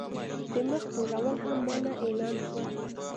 د مخ تورول هم منع اعلان شول.